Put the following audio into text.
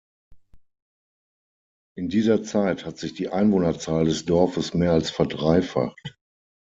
In dieser Zeit hat sich die Einwohnerzahl des Dorfes mehr als verdreifacht.